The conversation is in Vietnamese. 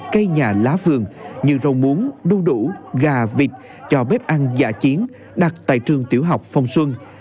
cây nhà lá vườn như rau muống đu đủ gà vịt cho bếp ăn giả chiến đặt tại trường tiểu học phong xuân